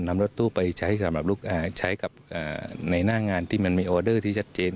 นำรถตู้ไปใช้กับในหน้างานมีออเดอร์ที่ชัดเจน